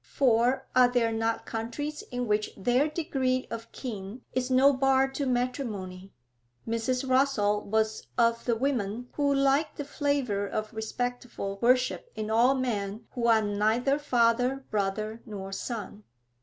For are there not countries in which their degree of kin is no bar to matrimony? Mrs. Rossall was of the women who like the flavour of respectful worship in all men who are neither father, brother, nor son.